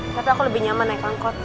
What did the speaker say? tapi aku lebih nyaman naik angkot